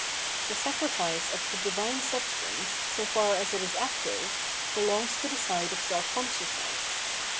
The sacrifice of the divine substance, so far as it is active, belongs to the side of self consciousness.